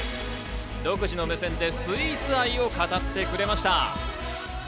独自の目線でスイーツ愛を語ってくれました。